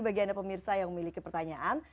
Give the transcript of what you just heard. bagi anda pemirsa yang memiliki pertanyaan